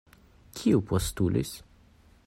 Kiu postulis?